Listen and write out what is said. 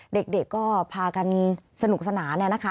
เด็กก็พากันสนุกสนานแหละนะคะ